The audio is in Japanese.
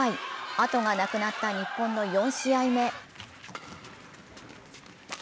後がなくなった日本の４試合目。